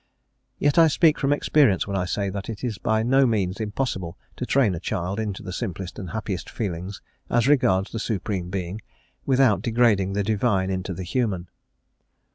Yet I speak from experience when I say that it is by no means impossible to train a child into the simplest and happiest feelings as regards the Supreme Being, without degrading the Divine into the human.